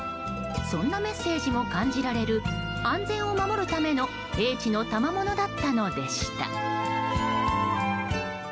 そんなメッセージも感じられる安全を守るための英知のたまものだったのでした。